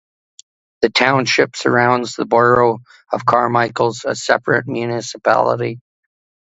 The township surrounds the borough of Carmichaels, a separate municipality.